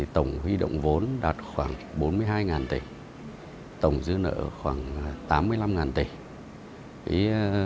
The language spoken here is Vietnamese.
tổng huy động vốn đạt khoảng bốn mươi hai tỷ tổng dư nợ khoảng tám mươi năm tỷ